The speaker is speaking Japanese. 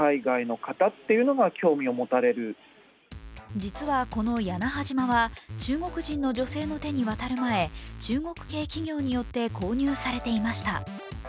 実はこの屋那覇島は、中国人の女性の手に渡る前、中国系企業によって購入されていました。